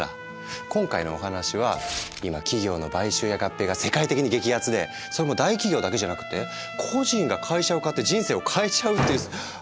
今回のお話は今企業の買収や合併が世界的に激アツでそれも大企業だけじゃなくて個人が会社を買って人生を変えちゃうっていう。